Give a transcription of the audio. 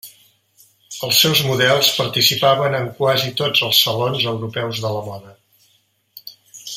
Els seus models participaven en quasi tots els Salons europeus de la moda.